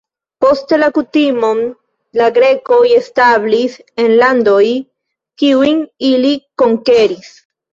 Poste la kutimon la grekoj establis en landoj, kiujn ili konkeris.